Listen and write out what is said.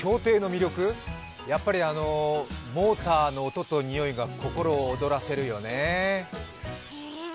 やっぱりモーターの音とにおいが心を躍らせるよねぇ。